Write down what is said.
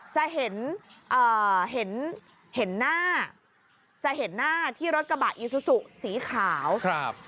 จะเห็นเห็นหน้าจะเห็นหน้าที่รถกระบะอีซูซูสีขาวครับ